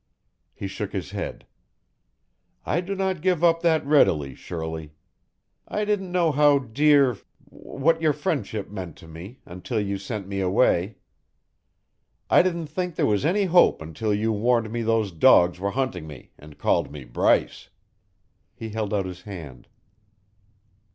He shook his head. "I do not give up that readily, Shirley. I didn't know how dear what your friendship meant to me, until you sent me away; I didn't think there was any hope until you warned me those dogs were hunting me and called me Bryce." He held out his hand.